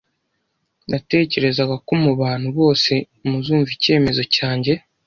Natekerezaga ko mubantu bose muzumva icyemezo cyanjye.